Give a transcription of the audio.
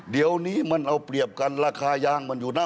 เดี๋ยวนี้มันเอาเปรียบกันราคายางมันอยู่นะ